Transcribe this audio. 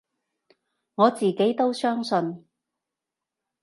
我自己都相信